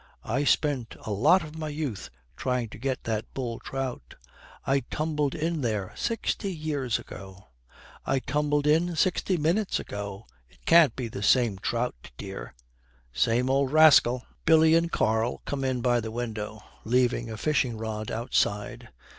'I spent a lot of my youth trying to get that bull trout. I tumbled in there sixty years ago.' 'I tumbled in sixty minutes ago! It can't be the same trout, dear.' 'Same old rascal!' Billy and Karl come in by the window, leaving a fishing rod outside.